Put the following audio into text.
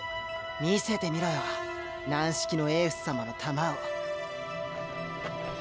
見せてみろよ軟式のエース様の球を。